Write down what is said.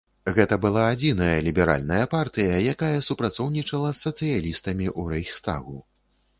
Гэта была адзіная ліберальная партыя, якая супрацоўнічала з сацыялістамі ў рэйхстагу.